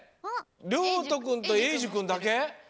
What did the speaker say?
りょうとくんとえいじゅくんだけ？